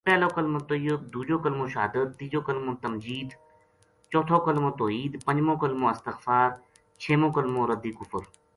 پہلوکلمو طییب، دوجو کلمو شہادت، تیجو کملو تمجید، چوتھو کملو توحید، پنجمو کلمو استغفار، چھیمو کلمو رد کفر